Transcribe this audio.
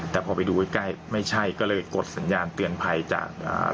แต่พอไปดูใกล้ใกล้ไม่ใช่ก็เลยกดสัญญาณเตือนภัยจากอ่า